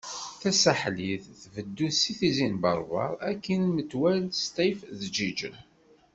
Tasaḥlit tbeddu seg Tizi n Berber akkin metwal Sṭif d Jijel.